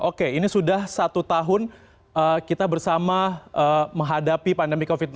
oke ini sudah satu tahun kita bersama menghadapi pandemi covid sembilan belas